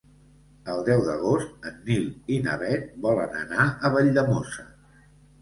El deu d'agost en Nil i na Bet volen anar a Valldemossa.